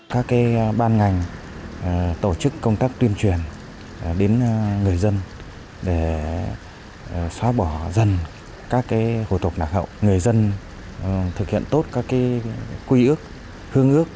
các ban ngành tổ chức công tác tuyên truyền đến người dân để xóa bỏ dần các hủ tục